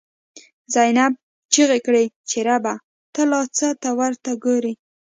«زینب» چیغی کړی چه ربه، ته لا څه ته ورته گوری